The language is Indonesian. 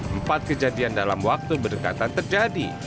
empat kejadian dalam waktu berdekatan terjadi